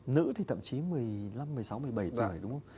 nữ thì thậm chí một mươi năm một mươi sáu một mươi bảy tuổi đúng không